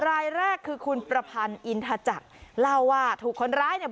รายแรกคือคุณประพันธ์อินทจักรเล่าว่าถูกคนร้ายเนี่ย